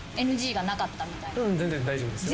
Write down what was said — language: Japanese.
全然大丈夫ですよ。